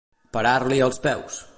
Parar-li els peus.